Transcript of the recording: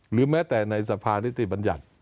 หรือแม้แต่ในสภานิติบัญญัติ